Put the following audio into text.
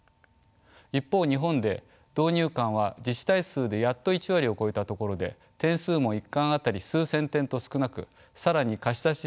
一方日本で導入館は自治体数でやっと１割を超えたところで点数も１館あたり数千点と少なく更に貸し出し率も低いままでした。